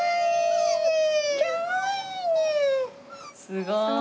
すごーい。